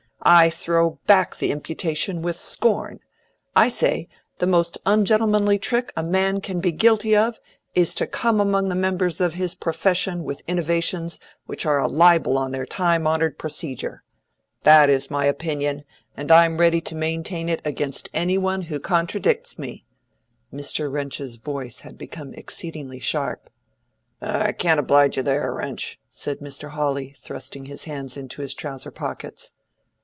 I throw back the imputation with scorn. I say, the most ungentlemanly trick a man can be guilty of is to come among the members of his profession with innovations which are a libel on their time honored procedure. That is my opinion, and I am ready to maintain it against any one who contradicts me." Mr. Wrench's voice had become exceedingly sharp. "I can't oblige you there, Wrench," said Mr. Hawley, thrusting his hands into his trouser pockets.